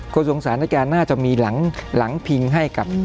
คนสงสารนะแกน่าจะมีหลังพิงให้กับ